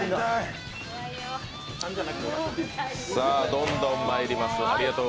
どんどんまいります。